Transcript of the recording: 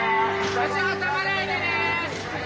足挟まないでね！